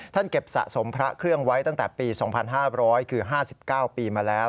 เก็บสะสมพระเครื่องไว้ตั้งแต่ปี๒๕๐๐คือ๕๙ปีมาแล้ว